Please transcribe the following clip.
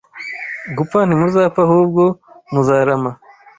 Gupfa ntimuzapfa ahubwo muzarama